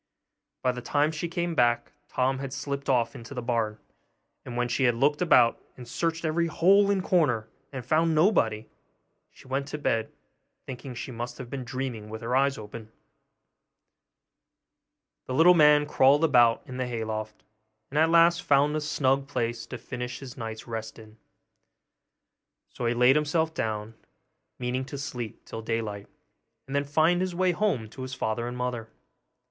By the time she came back, Tom had slipped off into the barn; and when she had looked about and searched every hole and corner, and found nobody, she went to bed, thinking she must have been dreaming with her eyes open. The little man crawled about in the hay loft, and at last found a snug place to finish his night's rest in; so he laid himself down, meaning to sleep till daylight, and then find his way home to his father and mother.